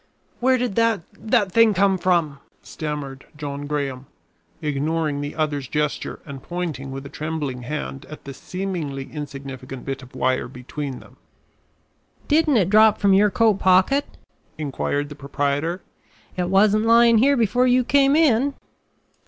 "Where did that that thing come from?" stammered John Graham, ignoring the other's gesture and pointing with a trembling hand at the seemingly insignificant bit of wire between them. "Didn't it drop from your coat pocket?" inquired the proprietor. "It wasn't lying here before you came in."